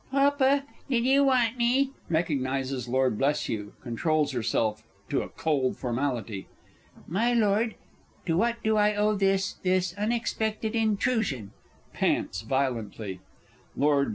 _ Papa, did you want me? (Recognises Lord B. controls herself to a cold formality.) My lord, to what do I owe this this unexpected intrusion? [Pants violently. _Lord Bl.